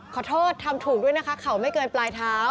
ขอโทษทำถูกด้วยนะคะเข่าไม่เกินปลายเท้า